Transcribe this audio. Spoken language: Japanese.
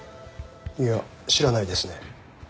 いや知らないですね。